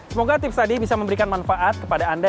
semoga tips tadi bisa memberikan manfaat kepada anda